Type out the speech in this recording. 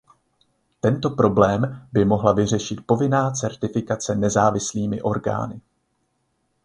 Tento problém by mohla vyřešit povinná certifikace nezávislými orgány.